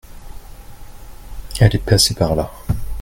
elles est passée par là.